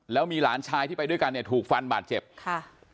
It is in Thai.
แล้วมีหลานชายที่ไปด้วยกันเนี่ยถูกฟันบาดเจ็บค่ะ